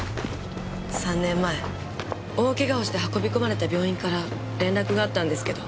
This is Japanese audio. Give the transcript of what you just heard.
３年前大けがをして運び込まれた病院から連絡があったんですけど。